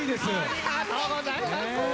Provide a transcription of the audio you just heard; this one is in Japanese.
ありがとうございます。